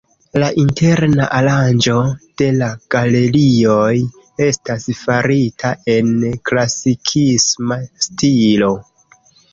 La interna aranĝo de la galerioj estas farita en klasikisma stilo.